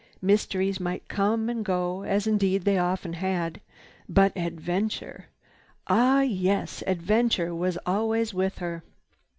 Mysteries might come and go, as indeed they often had, but adventure! Ah yes, adventure was always with her.